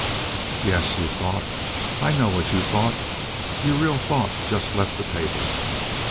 "Yes, you thought! I know what you thought. Your real thought just left the table."